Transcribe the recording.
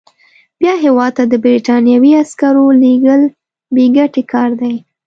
بیا هیواد ته د برټانوي عسکرو لېږل بې ګټې کار دی.